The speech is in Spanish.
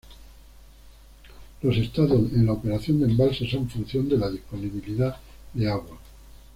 Los estados en la operación del embalse son función de la disponibilidad de agua.